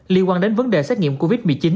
liên quan đến vấn đề xét nghiệm covid một mươi chín